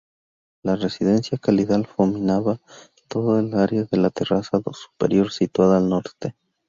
La residencia califal dominaba toda el área desde la terraza superior situada al norte.